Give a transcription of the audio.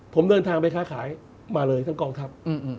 ผมเดินทางไปค้าขายมาเลยทั้งกองทัพ